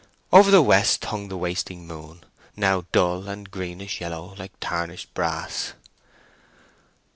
Over the west hung the wasting moon, now dull and greenish yellow, like tarnished brass.